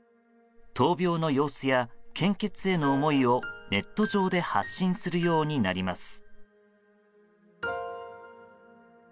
闘病の様子や献血への思いをネット上で発信するようになります。